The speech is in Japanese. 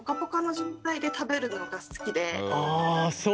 あそう。